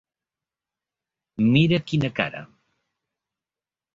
Mira quina cara.